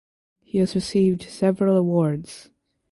He has received several awards.